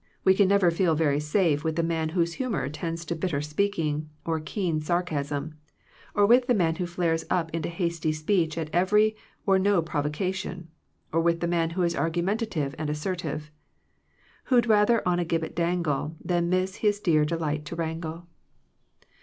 We can never feel very safe with the man whose hu mor tends to bitter speaking or keen sar casm, or with the man who flares up into hasty speech at every or no provo cation, or with the man who is argu* mentative and assertive, —*' Who*d rather on a gibbet dangle Than miss his dear delight to wrangle."